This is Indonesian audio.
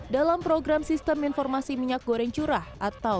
dalam program sistem informasi minyak goreng curah atau